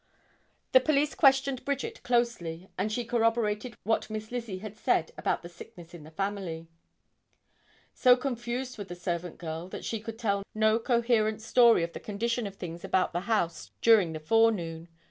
The police questioned Bridget closely and she corroborated what Miss Lizzie had said about the sickness in the family. So confused was the servant girl that she could tell no coherent story of the condition of things about the house during the forenoon.